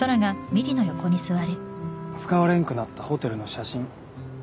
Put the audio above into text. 使われんくなったホテルの写真